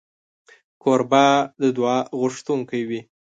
کوربه د دعا غوښتونکی وي.